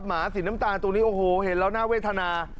หมาสีน้ำตาลตัวนี้โอ้โหเห็นแล้วน่าเวทนา